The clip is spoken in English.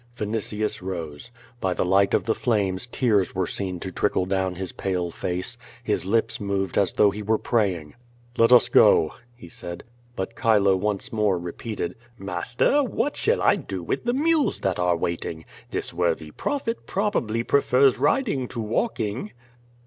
Vinitius rose. By the light of the flames tears were seen to trickle down his pale face; his lips moved as though he were praying. "Let us go," he said. But Chilo once more repeated, ^^aster, what shall I do with the mules that are waiting? This worthy prophet pro bably prefers riding to walking."